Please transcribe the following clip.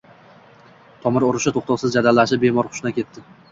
Tomir urishi to‘xtovsiz jadallashib, bemor hushidan ketdi